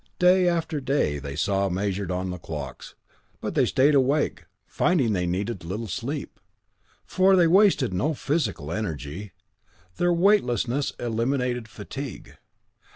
Day after day they saw measured on the clocks, but they stayed awake, finding they needed little sleep, for they wasted no physical energy. Their weightlessness eliminated fatigue.